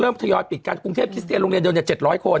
เริ่มพยายามปิดกันกรุงเทพคริสเตียนโรงเรียนเดี๋ยวจะ๗๐๐คน